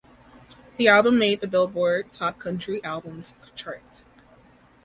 The album made the "Billboard" Top Country Albums chart.